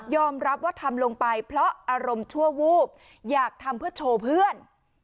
รับว่าทำลงไปเพราะอารมณ์ชั่ววูบอยากทำเพื่อโชว์เพื่อน